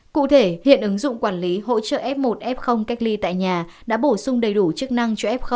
cụ thể hiện ứng dụng quản lý hỗ trợ f một f cách ly tại nhà đã bổ sung đầy đủ chức năng cho f